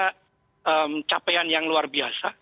itu adalah capaian yang luar biasa